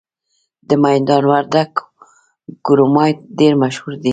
د میدان وردګو کرومایټ ډیر مشهور دی.